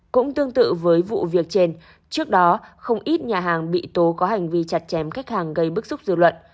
cũng tương tự với vụ việc trên trước đó không ít nhà hàng bị tố có hành vi chặt chém khách hàng gây bức xúc dư luận